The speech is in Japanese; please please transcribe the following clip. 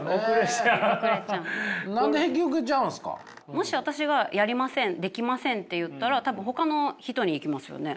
もし私が「やりませんできません」って言ったら多分ほかの人に行きますよね。